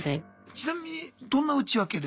ちなみにどんな内訳で？